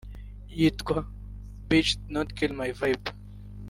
yitwa ‘Bitch don’t kill my vibe’